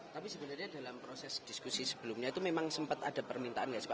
tapi sebenarnya dalam proses diskusi sebelumnya itu memang sempat ada permintaan nggak sih pak